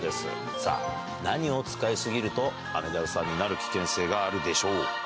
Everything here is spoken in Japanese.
さあ、何を使い過ぎると雨ダルさんになる危険性があるでしょうか。